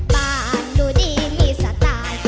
บ้านดูดีมีสไตล์